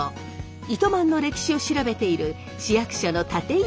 糸満の歴史を調べている市役所の立石有貴子さん。